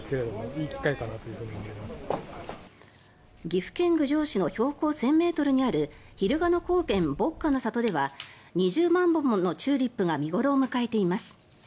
岐阜県郡上市の標高１０００ｍにあるひるがの高原牧歌の里では２０万本ものチューリップが見頃を迎えています。